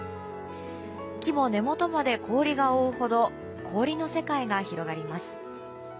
木も、根元まで氷が覆うほど氷の世界が広がります。